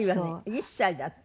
１歳だって。